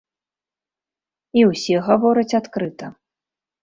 І ўсе гавораць адкрыта.